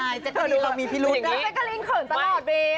อะไรเจ๊กะลิงเจ๊กะลิงเขินตลอดเว้ย